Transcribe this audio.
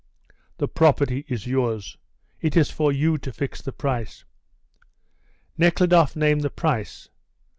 "The property is yours: it is for you to fix the price." Nekhludoff named the price.